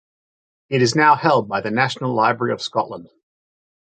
It is now held by the National Library of Scotland.